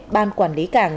ban quản lý cảng